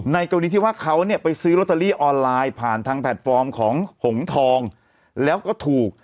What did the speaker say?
กรณีที่ว่าเขาเนี่ยไปซื้อลอตเตอรี่ออนไลน์ผ่านทางแพลตฟอร์มของหงทองแล้วก็ถูก